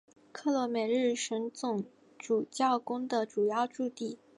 克罗梅日什总主教宫的主要驻地。